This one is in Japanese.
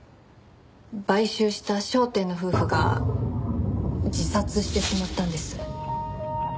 買収した商店の夫婦が自殺してしまったんです。